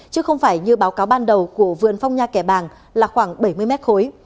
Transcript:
chứ không phải như báo cáo ban đầu của vườn phong nha kẻ bàng là khoảng bảy mươi mét khối